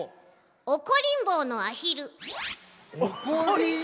おこりんぼうのアヒル。